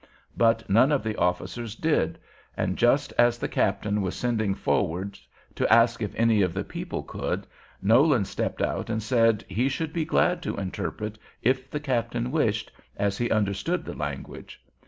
But none of the officers did; and just as the captain was sending forward to ask if any of the people could, Nolan stepped out and said he should be glad to interpret, if the captain wished, as he understood the language.